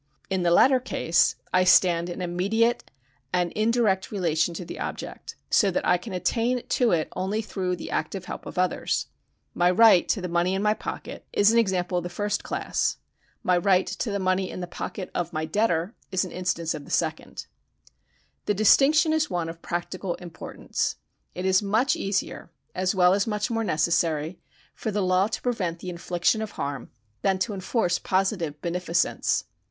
In the latter case I stand in a mediate and indirect relation to the object, so that I can attain to it only through the active help of others. My right to the money in my pocket is an example ^ As to rights against the state see Brown's Austinian Theory of Law, p. 194. 202 THE KINDS OF LEGAL RIGHTS [§ 80 of the first class ; my right to the money in the pocket of my debtor is an instance of the second. The distinction is one of practical importance. It is much easier, as well as much more necessary, for the law to prevent the infliction of harm than to enforce positive beneficence.